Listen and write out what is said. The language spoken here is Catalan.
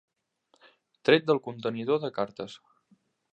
Tret del contenidor de cartes.